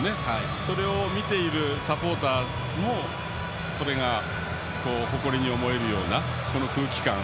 それを見ているサポーターもそれが誇りに思えるようなこの空気感。